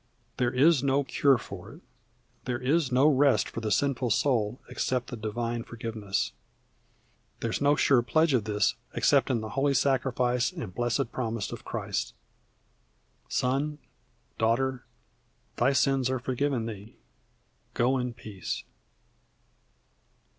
There is no cure for it, there is no rest for the sinful soul, except the divine forgiveness. There is no sure pledge of this except in the holy sacrifice and blessed promise of Christ, "Son, daughter, thy sins are forgiven thee, go in peace."